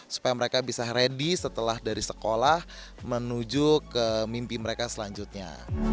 supaya mereka bisa ready setelah dari sekolah menuju ke mimpi mereka selanjutnya